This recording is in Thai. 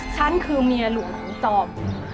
ฉันคือเมียหลวงตอบ